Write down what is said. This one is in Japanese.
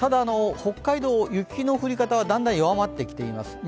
北海道、雪の降り方はだんだん、弱まってきています。